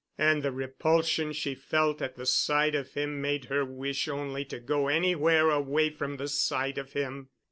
And the repulsion she felt at the sight of him made her wish only to go anywhere away from the sight of him.